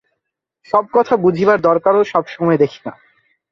সব কথা বুঝিবার দরকারও সব সময়ে দেখি না।